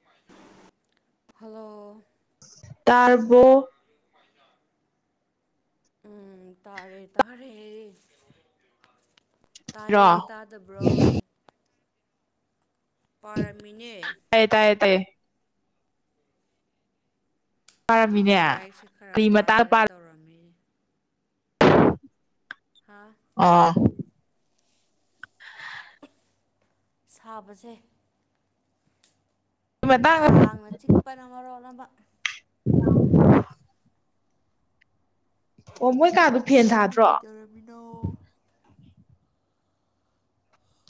ꯑ [inaudible] ꯍꯜꯂꯣ ꯇꯥꯔꯕꯣ [unintelligible] ꯎꯝ ꯇꯥꯔꯦ ꯇꯥꯔꯦ ꯔꯣ ꯇꯥꯏꯌꯦ ꯇꯥꯗꯕ꯭ꯔꯣ ꯄꯥꯔꯝꯃꯤꯅꯦ ꯇꯥꯏꯌ‌ꯦ ꯇꯥꯏꯌ‌ꯦ ꯇꯩꯌ‌ꯦ ꯎꯝ ꯄꯥꯔꯝꯃꯤꯅꯦ ꯂꯥꯏꯔꯤꯛꯁꯦ ꯈꯔ ꯀꯔꯤ ꯃꯇꯥꯡ ꯄꯥꯖꯤꯔ ꯄꯥ ꯇꯧꯔꯝꯃꯤ ꯍꯥꯥ ꯑꯣ ꯁꯥꯕꯁꯦ ꯃꯇꯥꯡ ꯀꯥꯡꯅ ꯆꯤꯛ ꯄꯅ ꯃꯔ‌ꯣꯟ ꯑꯃ [inaudible] ꯑꯣ ꯃꯣꯏ ꯀꯥꯗꯨ ꯅꯪꯗꯤ ꯀꯩꯗꯧꯔꯝꯃꯤꯅꯣ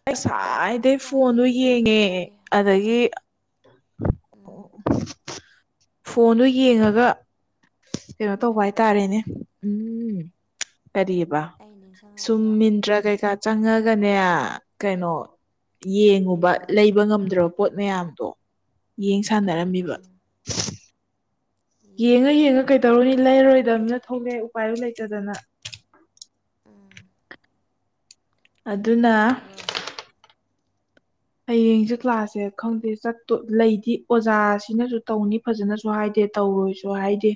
ꯑꯩꯁꯥꯏꯗꯩ ꯊꯥꯏꯌꯦ ꯐꯣꯟꯗꯣ ꯑꯗꯨꯁꯨ ꯌꯦꯡꯉꯦ ꯁꯥꯏꯌꯦ ꯑꯗꯒꯤ ꯎꯝ [unintelligible] ꯐꯣꯟꯗ‌ꯣ ꯌꯦꯡꯉꯒ ꯀꯩꯅꯣ ꯇꯧꯕ ꯍꯥꯏꯇꯥꯔꯦꯅꯦ ꯎꯝ ꯀꯔꯤꯑꯕ ꯑꯩ ꯁꯨꯝ ꯅꯤꯡꯁꯤꯡꯉꯛꯏꯔꯣ ꯃꯤꯟꯇ꯭ꯔ ꯀꯩꯀꯥ ꯆꯪꯉꯒꯅꯦ ꯀꯩꯅꯣ ꯎꯝ ꯌꯦꯡꯉꯨꯕ ꯂꯩꯕ ꯉꯝꯗ꯭ꯔ ꯄꯣꯠ ꯃꯌꯥꯝꯗꯣ ꯌꯦꯡ ꯁꯥꯟꯅꯔꯝꯃꯤꯕ ꯎꯝ ꯌꯦꯡꯉ ꯌꯦꯡꯉ ꯌꯦꯡꯒꯗꯕꯅꯤ ꯀꯩꯗꯧꯔꯨꯅꯤ ꯂꯩꯔꯣꯏꯗꯕꯅ ꯊꯣꯛꯂꯛꯑ‌ꯦ ꯎꯄꯥꯏꯗꯨ ꯂꯩꯇꯗꯅ ꯎꯝ ꯍꯌꯦꯡ ꯑꯗꯨꯅ ꯀ꯭ꯂꯥꯁ ꯂꯩꯕ꯭ꯔꯣ ꯍꯌꯦꯡꯖ‌ꯦ ꯀ꯭ꯂꯥꯁꯁꯦ ꯈꯪꯗꯦ ꯆꯠꯇꯣ ꯂꯩꯗꯤ ꯑꯣꯖꯥꯁꯤꯅꯁꯨ ꯇꯧꯅꯤ ꯐꯖꯅꯁꯨ ꯍꯥꯏꯗꯦ ꯇꯧꯔꯣꯏꯁꯨ ꯍꯥꯏꯗꯦ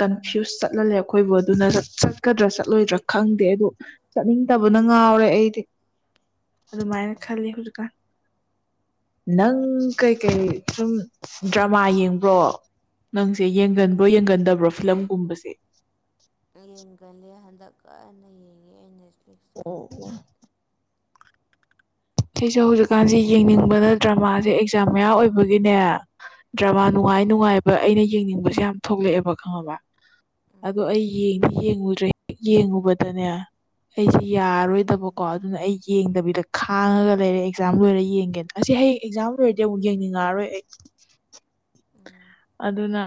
ꯀꯟꯐ꯭ꯌꯨꯁ ꯆꯠꯍꯜꯂꯦ ꯑꯩꯈꯣꯏꯕꯨ ꯑꯗꯨꯅ ꯆꯠꯀꯗ꯭ꯔꯥ ꯆꯠꯂꯣꯏꯗ꯭ꯔꯥ ꯈꯪꯗꯦ ꯑꯗꯨ ꯆꯠꯅꯤꯡꯗꯕꯅ ꯉꯥꯎꯔꯦ ꯑꯩꯗꯤ ꯑꯗꯨꯃꯥꯏꯅ ꯎꯝ ꯈꯜꯂꯤ ꯍꯧꯖꯤꯛꯀꯥꯟ ꯅꯪ ꯀꯩꯀꯩ ꯁꯨꯝ ꯗ꯭ꯔꯃꯥ ꯌꯦꯡꯕ꯭ꯔꯣ ꯅꯪꯁꯦ ꯌꯦꯡꯒꯟꯕ꯭ꯔꯣ ꯌꯦꯡꯒꯟꯗꯕ꯭ꯔꯣ ꯐꯤꯂꯝꯒꯨꯝꯕꯁꯦ ꯌꯦꯡꯒꯜꯂꯦ ꯍꯟꯗꯛ ꯀꯟꯅ ꯌꯦꯡꯉꯦ ꯑꯩꯅ ꯑꯣ ꯑꯣ ꯁꯤꯁꯨ ꯍꯧꯖꯤꯛꯀꯥꯟꯁꯦ ꯌꯦꯡꯅꯤꯡꯕꯅ ꯗ꯭ꯔꯃꯥꯁꯦ ꯑꯦꯛꯖꯥꯝ ꯃꯌꯥ ꯑꯣꯏꯕꯒꯤꯅꯦ ꯗ꯭ꯔꯃꯥ ꯅꯨꯡꯉꯥꯏ ꯎꯝ ꯅꯨꯡꯉꯥꯏꯕ ꯑꯩꯅ ꯌꯦꯡꯅꯤꯡꯕꯁꯦ ꯌꯥꯝ ꯊꯣꯛꯂꯛꯑꯦꯕ ꯈꯪꯉꯕ ꯑꯗꯣ ꯎꯝ ꯑꯩ ꯌ‌ꯦꯡꯗꯤ ꯌꯦꯡꯉꯨꯗ꯭ꯔꯦ ꯌꯦꯡꯉꯨꯕꯗꯅꯦ ꯑꯩꯁꯦ ꯎꯝ ꯌꯥꯔꯣꯏꯗꯕꯀꯣ ꯑꯗꯨꯅ ꯑꯩ ꯌꯦꯡꯗꯕꯤꯗ ꯈꯥꯡ ꯍꯥꯡꯉꯒ ꯂꯩꯔꯦ ꯑꯦꯛꯖꯥꯝ ꯂꯣꯏꯔꯦ ꯌꯦꯡꯒꯦꯅ ꯑꯁꯤ ꯍꯌꯦꯡ ꯑꯦꯛꯖꯥꯝ ꯂꯣꯏꯔꯗꯤ ꯑꯃꯨꯛ ꯌꯦꯡꯅꯤꯡꯉꯛꯑꯔꯣꯏ ꯑꯩ ꯎꯝ ꯑꯗꯨꯅ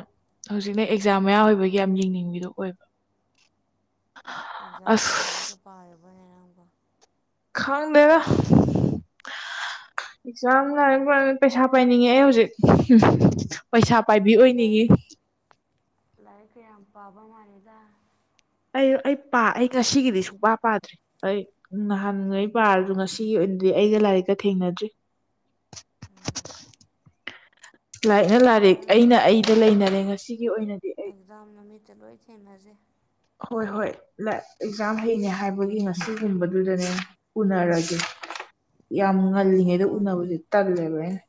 ꯍꯧꯖꯤꯛꯅ ꯑꯦꯛꯖꯥꯝ ꯃꯌꯥ ꯑꯣꯏꯕꯒꯤ ꯌꯥꯝ ꯌꯦꯡꯅꯤꯡꯕꯤꯗꯣ ꯑꯣꯏꯕ ꯑꯦꯛꯖꯥꯝꯒꯤ ꯑꯁ ꯂꯥꯏꯔꯤꯛꯀ ꯄꯥꯔꯕ꯭ꯔꯅꯦ ꯅꯪꯕꯨ ꯈꯪꯗꯦꯗ ꯑꯦꯛꯖꯥꯝ ꯂꯥꯏꯔꯤ ꯄꯩꯁꯥ ꯄꯥꯏꯅꯤꯡꯉꯦ ꯑꯩ ꯍꯧꯖꯤꯛ ꯄꯩꯁꯥ ꯄꯥꯏꯕꯤ ꯑꯣꯏꯅꯤꯡꯏ ꯂꯥꯏꯔꯤꯛ ꯀ ꯌꯥꯝ ꯄꯥꯕ ꯃꯥꯜꯂꯤꯗ ꯑꯩ ꯑꯩ ꯄꯥ ꯑꯩ ꯉꯁꯤꯒꯤꯗꯤ ꯁꯨꯡꯄꯥ ꯄꯥꯗ꯭ꯔꯤ ꯑꯩ ꯅꯍꯥꯟꯉꯩ ꯄꯥꯔꯖꯨ ꯉꯁꯤꯒꯤ ꯑꯣꯏꯅꯗꯤ ꯑꯩꯒ ꯂꯥꯏꯔꯤꯛꯀ ꯊꯦꯡꯅꯗ꯭ꯔꯤ ꯎꯝ ꯂꯥꯏꯛꯅ ꯂꯥꯏꯔꯤꯛ ꯊꯦꯡꯅꯔꯅ ꯑꯩꯅ ꯑꯩꯗ ꯂꯩꯅꯔꯦ ꯉꯁꯤꯒꯤ ꯑꯣꯏꯅꯗꯤ ꯑꯩ ꯑꯦꯖꯥꯝ ꯅꯨꯃꯤꯠꯇ ꯂꯣꯏ ꯊꯦꯡꯅꯁꯦ ꯍꯣꯏ ꯍꯣꯏ ꯂ ꯑꯦꯛꯖꯥꯝ ꯍꯩꯅꯦ ꯍꯥꯏꯕꯒꯤ ꯉꯁꯤꯒꯨꯝꯕꯗꯨꯗꯅꯦ ꯎꯅꯔꯒꯦ ꯌꯥꯝ ꯉꯜꯂꯤꯉꯩꯗ ꯐꯣꯟ ꯎꯅꯕꯁꯦ ꯇꯜꯂꯦꯕ ꯑꯩꯅ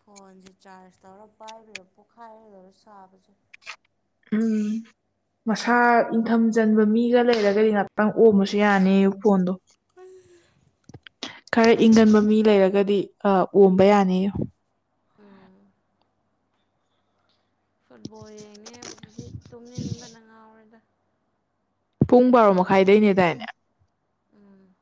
ꯐꯣꯟꯁꯦ ꯆꯥꯔꯖ ꯇꯧꯔ ꯄꯥꯏꯕꯤꯔꯥ ꯄꯣꯛꯈꯥꯏꯔꯗꯧꯔ ꯁꯥꯕꯁꯦ ꯎꯝ ꯃꯁꯥ ꯏꯪꯊꯝ ꯆꯟꯕ ꯃꯤꯒ ꯂꯩꯔꯒꯗꯤ ꯉꯍꯥꯛꯇꯪ ꯑꯣꯝꯕꯁꯨ ꯌꯥꯅꯤ ꯐꯣꯟꯗꯣ ꯑꯥ ꯈꯔ ꯏꯪꯒꯟꯕ ꯃꯤ ꯂꯩꯔꯒꯗꯤ ꯑ ꯑꯣꯝꯕ ꯌꯥꯅꯤꯌꯣ ꯎꯝ ꯐꯨꯠꯕꯣꯜ ꯌꯦꯡꯅꯤ ꯍꯥꯏꯕꯁꯤꯗꯤ ꯇꯨꯝꯅꯤꯡꯕꯅ ꯉꯥꯎꯔꯦꯗ ꯄꯨꯡ ꯕꯥꯔꯣ ꯃꯈꯥꯏꯗꯩꯅꯦꯗꯥꯏꯅꯦ ꯎꯝ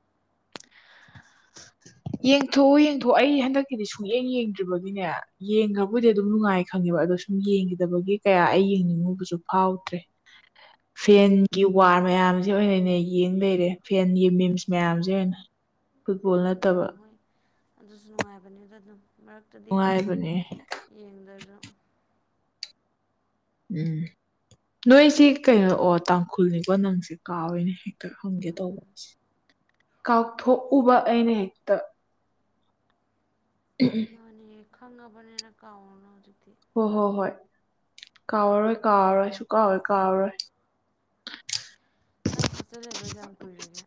ꯌꯦꯡꯊꯣꯛꯎ ꯌꯦꯡꯊꯣꯛꯑꯣ ꯑꯩ ꯍꯟꯗꯛꯀꯤꯗꯤ ꯁꯨꯌꯦꯡ ꯌꯦꯡꯗ꯭ꯔꯤꯕꯒꯤꯅꯦ ꯌꯦꯡꯈ꯭ꯔꯕꯨꯗꯤ ꯑꯗꯨꯝ ꯅꯨꯡꯉꯥꯏ ꯈꯪꯉꯦꯕ ꯑꯗꯣ ꯁꯨꯝ ꯌꯦꯡꯈꯤꯗꯕꯒꯤ ꯑꯩ ꯌꯦꯡꯅꯤꯡꯉꯨꯕꯁꯨ ꯐꯥꯎꯗ꯭ꯔꯦ [inaudible] ꯐꯦꯟꯒꯤ ꯋꯥꯔ ꯃꯌꯥꯝꯁꯦ ꯑꯣꯏꯅꯅꯦ ꯌꯦꯡ ꯂꯩꯔꯦ ꯐꯦꯟꯒꯤ ꯃꯤꯝꯁ ꯃꯌꯥꯝꯁꯦ ꯐꯨꯠꯕꯣꯜ ꯅꯠꯇꯕ ꯌꯦꯡꯉꯣꯏ ꯑꯗꯨꯁꯨ ꯅꯨꯡꯉꯥꯏꯕꯅꯤꯗ ꯑꯗꯨꯝ ꯃꯔꯛ ꯅꯨꯡꯉꯥꯏꯕꯅꯦ ꯌꯦꯡꯗꯖꯨ ꯎꯝ ꯅꯣꯏꯁꯤ ꯀꯩꯅꯣꯑꯣ ꯇꯥꯡꯈꯨꯜꯅꯤꯀꯣ ꯅꯪꯁꯦ ꯀꯥꯎꯔꯦꯅꯦ ꯍꯦꯛꯇ ꯍꯪꯒꯦ ꯇꯧꯕ ꯎꯝ ꯀꯥꯎꯊꯣꯛꯎꯕ ꯑꯩꯅ ꯍꯦꯛꯇ ꯎꯝ ꯍꯝ ꯑꯦ ꯈꯪꯉꯕꯅꯤꯅ ꯀꯥꯎꯔꯣꯅꯨ ꯍꯧꯖꯤꯛꯇꯤ ꯍꯣꯏ ꯍꯣꯏ ꯍꯣꯏ ꯀꯥꯎꯔꯔꯣꯏ ꯀꯥꯎꯔꯔꯣꯏ ꯁꯨꯀꯥꯎ ꯍꯦꯛ ꯀꯥꯎꯔꯔꯣꯏ ꯅꯪ ꯍꯣꯁꯇꯦꯜ ꯂꯩꯕ ꯀꯌꯥꯝ ꯀꯨꯏꯔꯒꯦ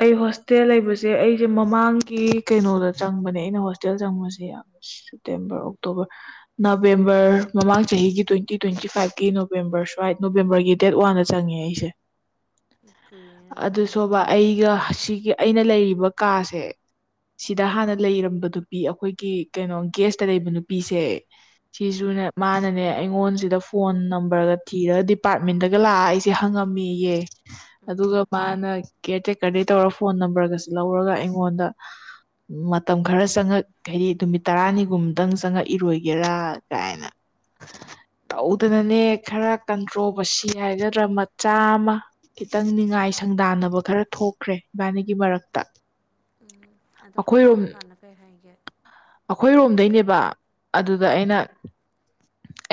ꯑꯩ ꯍꯣꯁꯇꯦꯜ ꯂꯩꯕꯖꯦ ꯑꯩꯖꯦ ꯃꯃꯥꯡꯒꯤ ꯀꯩꯅꯣꯗ ꯆꯪꯕꯅꯦ ꯑꯩꯅ ꯍꯣꯁꯇꯦꯜ ꯆꯪꯕꯁꯦ ꯌꯥꯝ ꯁꯦꯞꯇꯦꯝꯕꯔ ꯑꯣꯛꯇꯣꯕꯔ ꯅꯕꯦꯝꯕꯔ ꯃꯃꯥꯡ ꯆꯍꯤꯒꯤ ꯇ꯭ꯋꯦꯟꯇꯤ ꯇ꯭ꯋꯦꯟꯇꯤ ꯐꯥꯏꯚꯀꯤ ꯅꯣꯕꯦꯝꯕꯔ ꯁ꯭ꯋꯥꯏ ꯅꯣꯕꯦꯝꯕꯔꯒꯤ ꯗꯦꯠ ꯋꯥꯟꯗ ꯆꯪꯉꯦ ꯑꯩꯁꯦ [inaudible] ꯀꯨꯏꯔꯦꯅ ꯑꯗꯨ ꯑꯗꯨꯗꯤ ꯁꯨꯕ ꯑꯩꯒ ꯁꯤꯒꯤ ꯑꯩꯅ ꯂꯩꯔꯤꯕ ꯀꯥꯁꯦ ꯁꯤꯗ ꯎꯝ ꯍꯥꯟꯅ ꯂꯩꯔꯝꯕ ꯅꯨꯄꯤ ꯑꯩꯈꯣꯏꯒꯤ ꯀꯩꯅꯣ ꯒꯦꯁꯇ ꯂꯩꯕ ꯅꯨꯄꯤꯁꯦ ꯎꯝ ꯁꯤꯁꯨꯅꯦ ꯃꯥꯅꯅꯦ ꯑꯩꯉꯣꯟꯁꯤꯗ ꯐꯣꯟ ꯅꯝꯕꯔꯒ ꯊꯤꯔꯒ ꯗꯤꯄꯥꯔꯠꯃꯦꯟꯗꯒ ꯂꯥꯛꯑ ꯑꯩꯁ ꯇꯦ ꯍꯪꯉꯝꯃꯦꯌꯦ ꯑꯗꯨꯒ ꯎꯝ ꯃꯥꯅ ꯀꯦꯇ꯭ꯔꯦꯛ ꯀ ꯇꯧꯔ ꯐꯣꯟ ꯅꯝꯕꯔꯒꯁꯤ ꯂꯧꯔꯒ ꯑꯩꯉꯣꯟꯗ ꯃꯇꯝ ꯈꯔ ꯆꯪꯉꯛ ꯍꯥꯏꯗꯤ ꯅꯨꯃꯤꯠ ꯇꯔꯥꯅꯤꯒꯨꯝꯗꯪ ꯆꯪꯉꯛꯏꯔꯣꯏꯒꯦꯔꯥ ꯀꯥꯏꯅ ꯎꯝ ꯇꯧꯗꯅꯅꯦ ꯈꯔ ꯀꯟꯇ꯭ꯔꯣ ꯕꯁꯤ ꯍꯥꯏꯒꯗ꯭ꯔꯥ ꯃꯆꯥ ꯑꯃ ꯈꯤꯇꯪ ꯅꯤꯉꯥꯏ ꯁꯪꯗꯥꯟꯅꯕ ꯈꯔ ꯊꯣꯛꯈ꯭ꯔꯦ ꯏꯕꯥꯅꯤꯒꯤ ꯃꯔꯛꯇ ꯎꯝ ꯑꯗꯨꯒ ꯑꯩꯈꯣꯏꯔꯣꯝ ꯆꯪꯉꯀꯥꯟꯗ ꯀꯩ ꯍꯥꯏꯒꯦ ꯑꯩꯈꯣꯏꯔꯣꯝꯗꯩꯅꯦꯕ ꯑꯗꯨꯗ ꯎꯝ ꯑꯩꯅ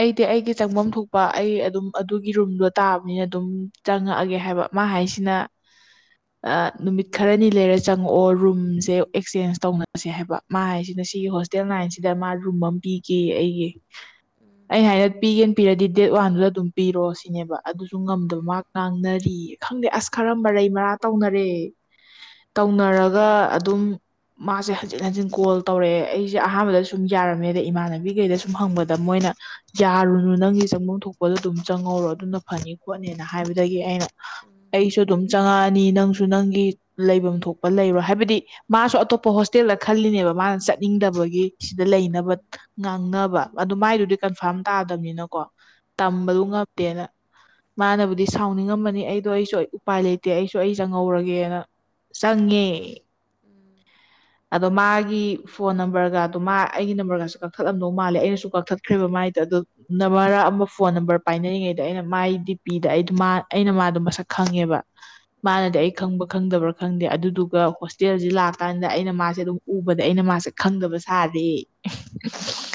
ꯑꯩꯗꯤ ꯑꯩꯒꯤ ꯆꯪꯐꯝ ꯊꯣꯛꯄ ꯑꯩ ꯑꯗꯨꯝ ꯑꯗꯨꯒꯤ ꯔꯨꯝꯗꯣ ꯇꯥꯕꯅꯤꯅ ꯑꯗꯨꯝ ꯆꯪꯉꯛꯑꯒꯦ ꯍꯥꯏꯕ ꯃꯥ ꯍꯥꯏꯁꯤꯅ ꯅꯨꯃꯤꯠ ꯈꯔꯅꯤ ꯂꯩꯔ ꯆꯪꯉꯛꯑꯣ ꯔꯨꯝꯁꯦ ꯑꯦꯛꯆꯦꯟꯁ ꯇꯧꯅꯁꯦ ꯍꯥꯏꯕ ꯃꯥ ꯍꯥꯏꯁꯤꯅ ꯁꯤꯒꯤ ꯍꯣꯁꯇꯦꯜ ꯅꯥꯏꯟꯁꯤꯗ ꯃꯥ ꯔꯨꯝ ꯑꯃ ꯄꯤꯒꯦꯌꯦ ꯑꯩꯒꯤ ꯎꯝ ꯑꯩꯅ ꯍꯥꯏꯅ ꯄꯤꯒꯦꯅ ꯄꯤꯔꯗꯤ ꯗꯦꯠ ꯋꯥꯟꯗꯨꯗ ꯑꯗꯨꯝ ꯄꯤꯔꯣꯑꯣ ꯁꯤꯅꯦꯕ ꯑꯗꯨꯁꯨ ꯉꯝꯗꯕ ꯎꯝ ꯃꯥ ꯉꯥꯡꯅꯔꯤꯌꯦ ꯈꯪꯗꯦ ꯑꯁ ꯈꯔ ꯃꯔꯩ ꯃꯔꯥ ꯇꯧꯅꯔꯦ ꯎꯝ ꯇꯧꯅꯔꯒ ꯑꯗꯨꯝ ꯃꯥꯁꯦ ꯍꯟꯖꯤꯟ ꯍꯟꯖꯤꯟ ꯀꯣꯜ ꯇꯧꯔꯛꯑꯦ ꯑꯩꯁꯦ ꯑꯍꯥꯟꯕꯗ ꯁꯨꯝ ꯌꯥꯔꯝꯃꯦꯗ ꯏꯃꯥꯟꯅꯕꯤꯒꯩꯗ ꯁꯨꯝ ꯍꯪꯕꯗ ꯗ ꯃꯣꯏꯅ ꯌꯥꯔꯨꯅꯨ ꯅꯪꯒꯤ ꯆꯪꯐꯝ ꯊꯣꯛꯄꯗꯣ ꯑꯗꯨꯝ ꯆꯪꯍꯧꯔꯣ ꯑꯗꯨꯅ ꯐꯅꯤ ꯈꯣꯠꯅꯤꯅ ꯍꯥꯏꯕꯗꯒꯤ ꯑꯩꯅ ꯎꯝ ꯑꯩꯁꯨ ꯑꯗꯨꯝ ꯆꯪꯉꯛꯑꯅꯤ ꯅꯪꯁꯨ ꯅꯪꯒꯤ ꯂꯩꯐꯝ ꯊꯣꯛꯄ ꯂꯩꯔꯣ ꯍꯥꯏꯕꯗꯤ ꯃꯥꯁꯨ ꯑꯇꯣꯞꯄ ꯍꯣꯁꯇꯦꯜꯗ ꯈꯜꯂꯤꯅꯦꯕ ꯃꯥꯅ ꯆꯠꯅꯤꯡꯗꯕꯒꯤ ꯁꯤꯗ ꯎꯝ ꯎꯝ ꯎꯝ ꯎꯝ ꯂꯩꯅꯕ ꯉꯥꯡꯅꯕ ꯑꯗꯨ ꯃꯥꯏꯗꯨꯗꯤ ꯀꯟꯐꯥꯔꯝ ꯇꯥꯗꯕꯅꯤꯅꯀꯣ ꯇꯝꯕꯗꯨ ꯉꯝꯗꯦꯅ ꯃꯥꯅꯕꯨꯗꯤ ꯁꯥꯎꯅꯤꯡꯉꯝꯃꯅꯤ ꯑꯩꯗꯣ ꯑꯩꯁꯨ ꯎꯄꯥꯏ ꯂꯩꯇꯦ ꯑꯩꯁꯨ ꯑꯩ ꯆꯪꯍꯧꯔꯒꯦꯅ ꯆꯪꯉꯦ ꯑꯗꯣ ꯃꯥꯒꯤ ꯐꯣꯟ ꯅꯝꯕꯔꯒ ꯑꯗꯣ ꯃꯥ ꯑꯩꯒꯤ ꯅꯝꯕꯔꯒꯁꯨ ꯀꯛꯊꯠꯂꯝꯗꯧ ꯃꯥꯜꯂꯦ ꯑꯩꯅꯁꯨ ꯀꯛꯊꯠꯈ꯭ꯔꯦꯕ ꯃꯥꯏꯗ ꯑꯗꯨ ꯅ ꯃꯔ ꯑꯃ ꯐꯣꯟ ꯅꯝꯕꯔ ꯄꯥꯏꯅꯔꯤꯉꯩꯗ ꯑꯩꯅ ꯃꯥꯒꯤ ꯗꯤ ꯄꯤꯗ ꯑꯩ ꯑꯩꯅ ꯃꯥꯗꯣ ꯃꯁꯛ ꯈꯪꯉꯦꯕ ꯎꯝ ꯃꯥꯅꯗꯤ ꯑꯩ ꯈꯪꯕ ꯈꯪꯗꯕ꯭ꯔꯥ ꯈꯪꯗꯦ ꯑꯗꯨꯗꯨꯒ ꯍꯣꯁꯇꯦꯜꯁꯤ ꯂꯥꯛ ꯀꯥꯟꯗ ꯑꯩꯅ ꯃꯥꯁꯦ ꯑꯗꯨꯝ ꯎꯕꯗ ꯑꯩꯅ ꯃꯥꯁꯦ ꯈꯪꯗꯕ ꯁꯥꯔꯦ ꯎꯝ ꯎꯝ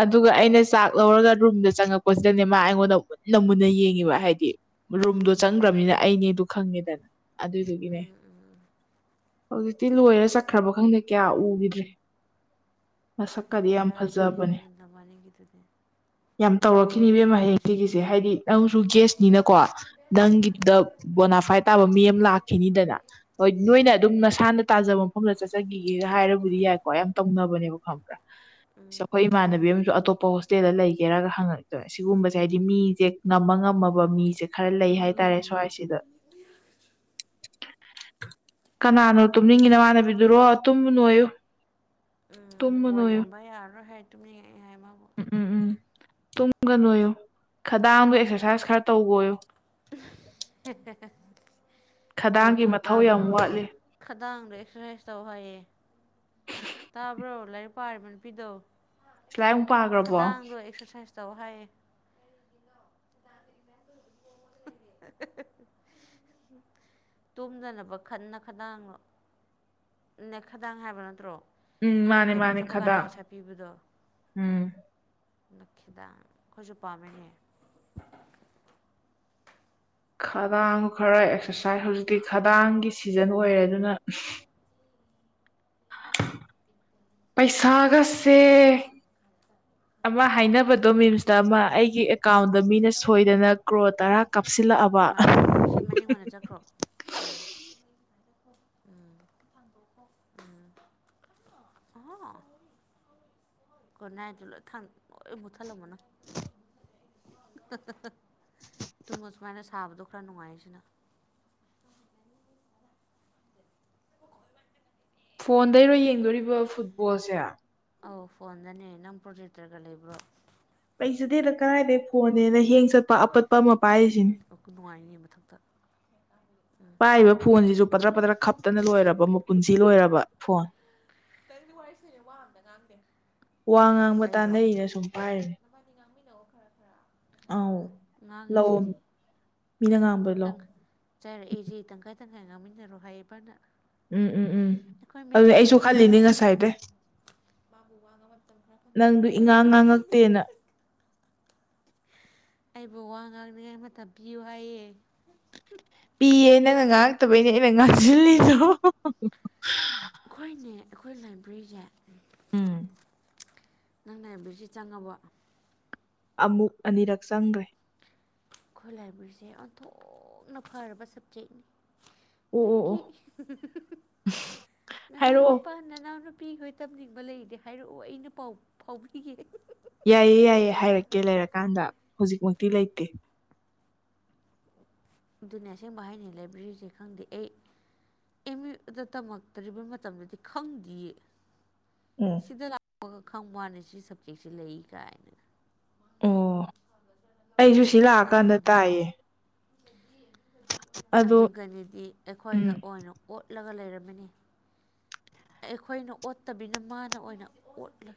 ꯑꯗꯨꯒ ꯑꯩꯅ ꯆꯥꯛ ꯂꯧꯔꯒ ꯔꯨꯝꯗ ꯆꯪꯉꯛꯄꯁꯤꯗꯅꯦ ꯃꯥ ꯑꯩꯉꯣꯟꯗ ꯃꯟꯅ ꯃꯨꯟꯅ ꯌꯦꯡꯉꯤꯕ ꯍꯥꯏꯗꯤ ꯔꯨꯝꯗꯣ ꯆꯪꯈ꯭ꯔꯕꯅꯤꯅ ꯑꯩꯅꯦꯗ ꯈꯪꯉꯦꯗꯅ ꯑꯗꯨꯗꯨꯒꯤꯅꯦ ꯎꯝ ꯍꯧꯖꯤꯛꯇꯤ ꯂꯣꯏꯔ ꯆꯠꯈ꯭ꯔꯕ ꯈꯪꯗꯦ ꯀꯌꯥ ꯎꯈꯤꯗ꯭ꯔꯦ ꯃꯁꯛꯀꯗꯤ ꯌꯥꯝ ꯕꯦꯔꯥꯅꯤꯅꯦ ꯐꯖꯕꯅꯦ ꯅꯪ ꯅꯕꯥꯅꯤꯒꯤꯗꯨꯗꯤ ꯌꯥꯝ ꯇꯧꯔꯛꯈꯤꯅꯤ ꯏꯕꯦꯝꯃ ꯍꯌꯦꯡ ꯁꯤꯒꯤꯁꯦ ꯍꯥꯏꯗꯤ ꯅꯪꯁꯨ ꯒꯦꯁꯅꯤꯅꯀꯣ ꯅꯪꯒꯤꯗ ꯕꯣꯅꯥꯐꯥꯏ ꯇꯥꯕ ꯃꯤ ꯑꯃ ꯂꯥꯛꯈꯤꯅꯤꯗꯅ ꯍꯣꯏ ꯅꯣꯏꯅ ꯑꯗꯨꯝ ꯎꯝ ꯅꯁꯥꯅ ꯇꯥꯖꯕ ꯃꯐꯝꯗ ꯆꯠꯆꯈꯤꯒꯦ ꯍꯥꯏꯔꯕꯨꯗꯤ ꯌꯥꯏꯀꯣ ꯌꯥꯝ ꯇꯧꯅꯕꯅꯦꯕ ꯈꯪꯕ꯭ꯔꯥ ꯎꯝ ꯑꯁ ꯑꯩꯈꯣꯏ ꯏꯃꯥꯟꯅꯕꯤ ꯑꯃꯁꯨ ꯑꯇꯣꯞꯄ ꯍꯣꯁꯇꯦꯜꯗ ꯂꯩꯒꯦꯔꯒ ꯍꯪꯉꯛꯇꯣꯏꯦ ꯁꯤꯒꯨꯝꯕꯁꯦ ꯍꯥꯏꯗꯤ ꯃꯤꯁꯦ ꯅꯝꯃ ꯉꯝꯃꯕ ꯃꯤꯁꯦ ꯈꯔ ꯂꯩ ꯍꯥꯏꯇꯥꯔꯦ ꯁ꯭ꯋꯥꯏꯁꯤꯗ ꯀꯅꯥꯅꯣ ꯇꯨꯝꯅꯤꯡꯉꯤꯅꯃꯥꯟꯅꯕꯤꯗꯨꯔꯣ ꯇꯨꯝꯃꯨꯅꯨ ꯌꯨ ꯄꯣꯜ ꯌꯦꯡꯕ ꯌꯥꯔꯔꯣꯏ ꯍꯥꯏ ꯑꯗꯨꯝ ꯌꯦꯡꯉꯦ ꯍꯥꯏꯕ ꯎꯝ ꯎꯝ ꯇꯨꯝꯒꯅꯣꯏꯌꯨ ꯈꯗꯥꯡꯗ ꯑꯦꯛꯁꯔꯁꯥꯏꯁ ꯈꯔ ꯇꯧꯒꯣꯌꯨ ꯇꯨ ꯈꯗꯥꯡꯒꯤ ꯇꯨ ꯃꯊꯧ ꯇꯥꯕ꯭ꯔꯣ ꯌꯥꯝ ꯋꯥꯠꯂꯤ ꯈꯗꯥꯡꯗꯣ ꯑꯦꯛꯁꯔꯁꯥꯏꯁ ꯇꯧ ꯍꯥꯏꯌꯦ ꯇꯥꯕ꯭ꯔꯣ ꯂꯥꯏꯔꯤꯛ ꯄꯥꯔꯤꯕ ꯅꯨꯄꯤꯗꯣ ꯁꯤꯂꯥꯏ ꯑꯃꯨꯛ ꯄꯥꯈ꯭ꯔꯕꯣ ꯈꯗꯥꯡꯗꯣ ꯑꯦꯛꯁꯔꯁꯥꯏꯁ ꯆꯥꯎꯍꯥꯏ ꯇꯨꯝꯗꯅꯕ ꯈꯠꯅ ꯈꯅꯥꯡꯂꯣ ꯅꯈꯗꯥꯡ ꯍꯥꯏꯕ ꯅꯠꯇ꯭ꯔꯣ ꯎꯝ ꯅꯣꯏꯅ ꯃꯥꯅꯦ ꯀꯩꯅꯣ ꯃꯥꯅꯦ ꯆꯠꯄ ꯀꯥꯟꯗ ꯄꯩꯁꯥ ꯈꯗꯥꯡ ꯄꯤꯕꯗꯣ ꯎꯝ ꯅꯈꯤꯗꯥꯡ ꯈꯣꯏꯁꯨ ꯄꯥꯝꯃꯦꯅꯦ ꯈꯗꯥꯡ ꯈꯔ ꯑꯦꯛꯁꯔꯁꯥꯏꯁ ꯍꯧꯖꯤꯛꯇꯤ ꯈꯗꯥꯡꯒꯤ ꯁꯤꯖꯟ ꯑꯣꯏꯔꯦ ꯑꯗꯨꯅ ꯄꯩꯁꯥꯒꯁꯦ ꯑꯃ ꯍꯥꯏꯅꯕꯗꯣ ꯃꯤꯟꯁꯇ ꯑꯃ ꯑꯩꯒꯤ ꯑꯦꯀꯥꯎꯟꯗ ꯃꯤꯅ ꯁꯣꯏꯗꯅ ꯀ꯭ꯔꯣꯔ ꯇꯔꯥ ꯀꯥꯞꯁꯤꯜꯂꯛꯑꯕ ꯁꯤ ꯃꯌꯤꯡ ꯑꯣꯏꯅ ꯆꯠꯈ꯭ꯔꯣ ꯎꯝ ꯎꯝ [unintelligible] ꯎꯝ ꯍ ꯒꯨꯠ ꯅꯥꯏꯠꯇꯨ ꯂꯣꯏ ꯃꯨꯊꯠꯂꯝꯒꯅꯨ ꯇꯨꯝꯃꯨ ꯁꯨꯃꯥꯏꯅ ꯁꯥꯕꯗꯣ ꯈꯔꯥ ꯅꯨꯡꯉꯥꯏꯌꯦꯁꯤꯅ ꯐꯣꯟꯗꯩꯩꯔꯣ ꯌꯦꯡꯗꯧꯔꯤꯕ ꯐꯨꯠꯕꯣꯜꯁꯦ ꯑꯧ ꯐꯣꯟꯗꯅꯦ ꯅꯪ ꯄ꯭ꯔꯣꯖꯦꯛꯇꯔꯒ ꯂꯩꯕ꯭ꯔꯣ ꯂꯩꯖꯗꯦꯗ ꯀꯔꯥꯏꯗꯒꯤ ꯐꯣꯟꯅꯦꯅ ꯍꯦꯡ ꯆꯠꯄ ꯑꯄꯠ ꯑꯥꯄꯨꯟꯁꯤꯝ ꯅꯨꯡꯉꯥꯏꯅꯤ ꯃꯊꯛꯇ ꯎꯝ ꯄꯥꯏꯔꯤꯕ ꯐꯣꯟꯖꯤꯖꯨ ꯄꯗ꯭ꯔꯥ ꯄꯗ꯭ꯔꯥ ꯈꯞꯇꯅ ꯂꯣꯏꯔꯕ ꯃꯄꯨꯟꯁꯤ ꯂꯣꯏꯔꯕ ꯐꯣꯟ ꯑꯩꯈꯣꯏꯅꯤ ꯋꯥꯔꯤ ꯁꯅꯩ ꯋꯥ ꯑꯝꯇ ꯉꯥꯡꯗꯦ ꯋꯥ ꯉꯥꯡ ꯑꯩꯔꯣ ꯎꯝ ꯅꯥꯕꯟꯅꯤ ꯉꯥꯡꯃꯤꯟꯅꯧꯑꯣ ꯈꯔꯥ ꯈꯔꯥ ꯑꯧ ꯉꯥꯡꯉꯤꯁꯤꯗꯤ ꯂꯧ ꯃꯤꯅ ꯉꯥꯡꯕ ꯂꯧ ꯇꯪ ꯆꯥꯏꯔꯛꯏꯖꯦ ꯇꯪꯈꯥꯏ ꯇꯪꯈꯥꯏ ꯉꯥꯡꯃꯤꯟꯅꯔꯣ ꯍꯥꯏꯌꯦꯕ ꯅ ꯎꯝ ꯎꯝ ꯎꯝ ꯑꯩꯈꯣꯏ ꯑꯗꯨꯅꯦ ꯑꯩꯁꯨ ꯃꯦꯗꯥꯝꯅ ꯈꯜꯂꯤꯅꯦ ꯆꯩꯔꯛꯑꯦ ꯉꯁꯥꯏꯗꯩ ꯕꯨ [unintelligible] ꯋꯥꯉ ꯃꯇꯝ ꯃꯇꯝ ꯈꯔꯥ ꯐꯪꯍꯜꯂꯨ ꯅꯪꯗꯨ ꯏꯉꯥꯡ ꯉꯥꯡꯉꯛꯇꯦꯅ ꯑꯩꯕꯨ ꯋꯥ ꯉꯥꯡꯅꯤꯉꯥꯏ ꯃꯥꯇꯝ ꯄꯤꯌꯨ ꯍꯥꯏꯌꯦ ꯄꯤꯌꯦ ꯅꯪꯅ ꯉꯥꯡꯉꯛꯇꯕꯩꯅꯦ ꯑꯩꯅ ꯎꯝ ꯉꯥꯡꯖꯤꯜꯂꯤꯗꯣ ꯑꯩꯈꯣꯏꯅꯦ ꯑꯩꯈꯣꯏ ꯂꯥꯏꯕ꯭ꯔꯤꯖꯦ ꯎꯝ ꯅꯪ ꯂꯥꯏꯕꯔ꯭ꯔꯤꯖꯦ ꯆꯪꯡꯉꯕꯣ ꯑꯃꯨꯛ ꯑꯅꯤꯔꯛ ꯆꯡꯒ꯭ꯔꯦ ꯑꯩꯈꯣꯏ ꯂꯥꯏꯕ꯭ꯔꯦꯔꯤꯁꯦ ꯑꯣꯟꯊꯣꯛꯅ ꯐꯔꯕ ꯑꯣ ꯁꯕꯖꯦꯛꯅꯤ ꯑꯣ ꯑꯣ ꯅꯪꯒꯤ ꯍꯥꯏꯔꯛꯑꯣ ꯅꯅꯥꯎꯅꯨꯄꯥ ꯅꯅꯥꯎ ꯅꯨꯄꯤꯈꯣꯏ ꯇꯝꯅꯤꯡꯕ ꯂꯩꯔꯗꯤ ꯍꯥꯏꯔꯛꯑꯣ ꯑꯩꯅ ꯄꯥꯎ ꯐꯥꯎꯕꯤꯒꯦ ꯌꯥꯏꯌꯦ ꯌꯥꯏꯌꯦ ꯍꯥꯏꯔꯛꯀꯦ ꯂꯩꯔꯀꯥꯟꯗ ꯍꯧꯖꯤꯛꯃꯛꯇꯤ ꯂꯩꯇꯦ ꯑꯗꯨꯅꯤ ꯑꯁꯦꯡꯕ ꯍꯥꯏꯅ ꯂꯥꯏꯕ꯭ꯔꯦꯔꯤꯁꯦ ꯈꯪꯗꯦ ꯑꯩ ꯑꯦꯝ ꯌꯨꯗ ꯇꯝꯃꯛꯇ꯭ꯔꯤꯕ ꯃꯇꯝꯗꯗꯤ ꯈꯪꯗꯤꯌꯦ ꯎꯝ ꯁꯤꯗ ꯂꯥꯛꯄꯒ ꯈꯪꯕꯩ ꯋꯥꯅꯤ ꯁꯤ ꯁꯞꯖꯦꯛꯁꯦ ꯂꯩꯌꯦ ꯀꯥꯏꯅ ꯑꯣ ꯑꯩꯁꯨ ꯁꯤ ꯂꯥꯛꯑꯀꯥꯟꯗ ꯑꯗꯨꯅꯤ ꯇꯥꯏꯌꯦ ꯑꯗꯣ ꯑꯗꯨꯒꯅꯤꯗꯤ ꯎꯝ ꯑꯩꯈꯣꯏꯗ ꯑꯣꯏꯅ ꯑꯣꯠꯂꯒ ꯂꯩꯔꯝꯃꯦꯅꯦ ꯑꯩꯈꯣꯏꯅ ꯑꯣꯠꯇꯕꯤꯅ ꯃꯥꯅ ꯑꯣꯏꯅ ꯑꯣꯠꯂꯦ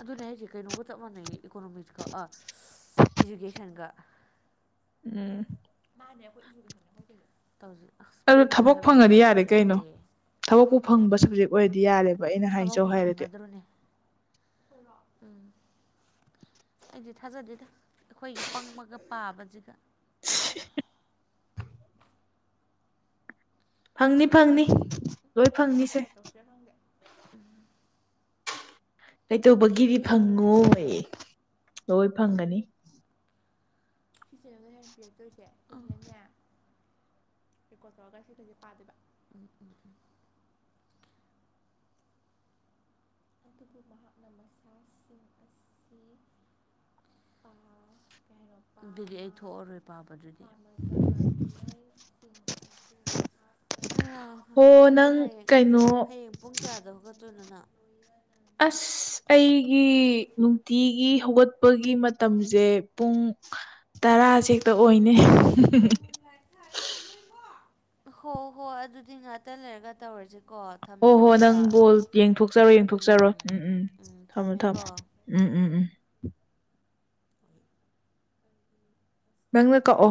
ꯑꯗꯨꯅꯦ ꯍꯥꯏꯖꯦ ꯀꯩꯅꯣꯒ ꯆꯞ ꯃꯥꯟꯅꯩꯌꯦ ꯏꯀꯣꯅꯣꯃꯤꯛꯁꯀ ꯑꯥ ꯏꯖꯨꯀꯦꯁꯟꯒ ꯎꯝ ꯃꯅꯦ ꯑꯩꯈꯣꯏ ꯏꯖꯨꯀꯦꯁꯟꯅꯦ ꯑꯩꯈꯣꯏ ꯇꯧꯔꯤꯁꯦ ꯑꯁ ꯑꯗꯨ ꯄꯦꯟꯗꯣ ꯊꯕꯛ ꯍꯥꯏꯕꯔꯥ ꯐꯪꯉꯗꯤ ꯃꯦꯠꯁꯁꯨ ꯌꯥꯔꯦ ꯀꯩꯅꯣ ꯌꯥꯎꯏ ꯊꯕꯛꯄꯨ ꯐꯪꯕ ꯁꯕꯖꯦꯛ ꯑꯣꯏꯔꯗꯤ ꯌꯥꯔꯦꯕ ꯑꯩꯅ ꯍꯥꯏꯖꯧ ꯊꯕꯛꯄꯨ ꯍꯥꯏꯔꯗꯤ ꯐꯪꯒꯗ꯭ꯔꯣꯅꯦ ꯎꯝ ꯑꯩꯗꯤ ꯊꯥꯖꯗꯦꯗ ꯑꯩꯈꯣꯏꯒꯤ ꯄꯪꯕꯒ ꯄꯥꯕꯖꯤꯗ [unintelligible] ꯐꯪꯅꯤ ꯐꯪꯅꯤ ꯂꯣꯏ ꯐꯪꯅꯤꯁꯦ ꯈꯪꯗꯦ [unintelligible] ꯀꯩꯇꯧꯕꯒꯤꯗꯤ ꯐꯪꯉꯣꯏ ꯂꯣꯏ ꯐꯪꯒꯅꯤ ꯐꯤꯆꯦꯟ [unintelligible] ꯑꯃꯗ ꯍꯦꯛ ꯄꯤꯔꯛꯇꯨꯏꯁꯦ ꯁꯤꯁꯤꯅꯅꯦ ꯔꯦꯀꯣꯔꯗ ꯇꯧꯔꯒ ꯁꯤꯈꯩꯁꯦ ꯄꯥꯗꯨꯏꯕ ꯎꯝ ꯎꯝ ꯎꯝ ꯑꯗꯨꯕꯨ ꯃꯍꯥꯛꯅ ꯃꯁꯥꯁꯤꯡ ꯑꯁꯤ ꯑꯥ ꯀꯩ ꯍꯥꯏꯅꯣ ꯄꯥ ꯕꯤꯔꯤ ꯑꯩ ꯊꯣꯛꯑꯔꯣꯏ ꯄꯥꯕ ꯑꯗꯨ ꯑꯃꯥꯖꯕ ꯃꯤꯑꯣꯏꯁꯤꯡ ꯑꯗꯨ ꯃꯍꯥꯛꯀ ꯍꯣ ꯅꯪꯗꯤ ꯅꯪ ꯍꯌꯦꯡ ꯀꯩꯅꯣ ꯍꯌꯦꯡ ꯄꯨꯡ ꯀꯌꯥꯗꯧꯒꯠꯇꯣꯏꯅꯣ ꯅꯪ꯫ ꯑꯁ ꯑꯩꯒꯤ ꯅꯨꯡꯇꯤꯒꯤ ꯍꯧꯒꯠꯄꯒꯤ ꯃꯇꯝꯁꯦ ꯄꯨꯡ ꯇꯔꯥꯁ ꯍꯦꯛꯇ ꯑꯣꯏꯅꯦ ꯍꯣ ꯍꯣ ꯑꯗꯨꯗꯤ ꯉꯥꯛꯇ ꯂꯩꯔꯒ ꯇꯧꯔꯖꯦ꯫ ꯍꯣꯏ ꯍꯣꯏ ꯅꯪ ꯕꯣꯜ ꯌꯦꯡꯊꯣꯛꯆꯔꯣꯏ ꯌꯦꯡꯊꯣꯛꯆꯔꯣꯏ ꯎꯝ ꯎꯝ ꯊꯝꯃꯣ ꯊꯝꯃꯣ꯫ ꯎꯝ ꯎꯝ ꯎꯝ [unintelligible] ꯅꯪꯅ ꯀꯛꯑꯣ